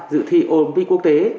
dự thi ôm viên quốc tế